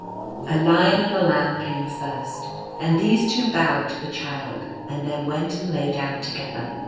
A Lion and a Lamb came first, and these two bowed to the Child, and then went and lay down together.